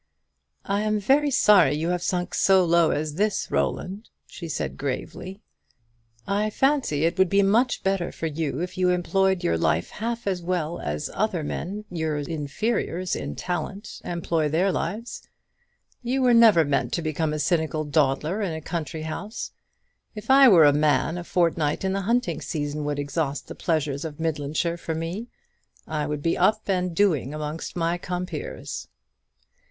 "I am very sorry you have sunk so low as this, Roland," she said, gravely. "I fancy it would be much better for you if you employed your life half as well as other men, your inferiors in talent, employ their lives. You were never meant to become a cynical dawdler in a country house. If I were a man, a fortnight in the hunting season would exhaust the pleasures of Midlandshire for me; I would be up and doing amongst my compeers."